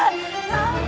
aduh aku takut